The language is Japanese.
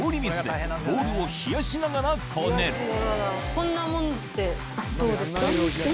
こんなもんでどうですか？